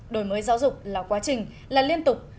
đổi mới giáo dục là quá trình là liên tục